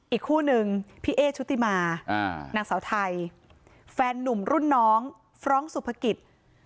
อีกคู่นึงพี่เอ๊ชุติมานางสาวไทยแฟนนุ่มรุ่นน้องฟรองก์สุภกิจ